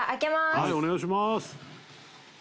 はいお願いします！